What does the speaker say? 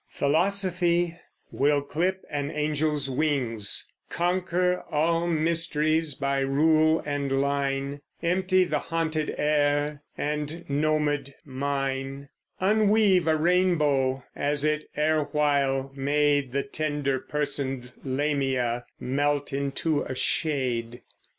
Philosophy will clip an Angel's wings, Conquer all mysteries by rule and line, Empty the haunted air, and gnomed mine Unweave a rainbow, as it erewhile made The tender person'd Lamia melt into a shade.